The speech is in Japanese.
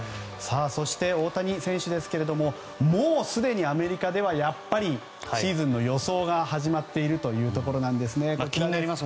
そして大谷選手もうすでにアメリカではやっぱりシーズンの予想が始まっているというところです。